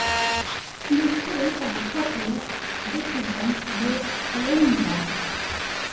Il est créé par le Quatuor Beethoven le à Léningrad.